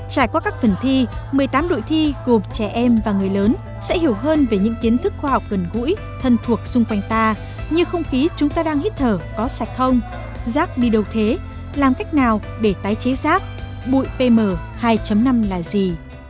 trải qua các phần thi một mươi tám đội thi gồm trẻ em và người lớn sẽ hiểu hơn về những kiến thức khoa học gần gũi thân thuộc xung quanh ta như không khí chúng ta đang hít thở có sạch không rác đi đâu thế làm cách nào để tái chế rác bụi pm hai năm là gì